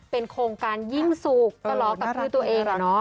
เป็นโครงการยิ่งสุขตลอดกับชื่อตัวเอง